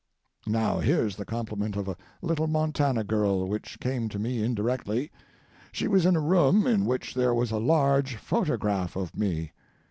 Now here's the compliment of a little Montana girl which came to me indirectly. She was in a room in which there was a large photograph of me.